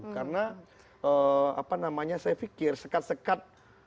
karena apa namanya saya pikir sekat sekat